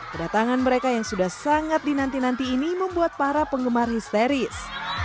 kedatangan mereka yang sudah sangat dinanti nanti ini membuat para penggemar histeris